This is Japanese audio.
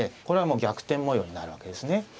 これはもう逆転模様になるわけですね。